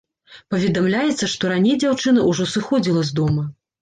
Паведамляецца, што раней дзяўчына ўжо сыходзіла з дома.